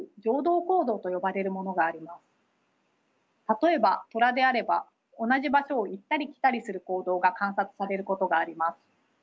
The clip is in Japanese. たとえばトラであれば同じ場所を行ったり来たりする行動が観察されることがあります。